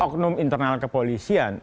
oknum internal kepolisian